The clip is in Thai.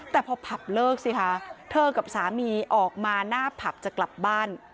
แต่พอผับเลิกสิคะเธอกับสามีออกมาหน้าผับจะกลับบ้าน